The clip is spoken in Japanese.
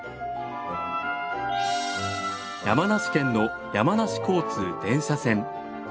山梨県の山梨交通電車線。